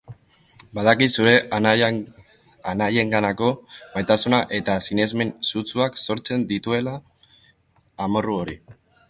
Badakit zure anaienganako maitasunak eta sinesmen sutsuak sortzen dizutela amorru hori.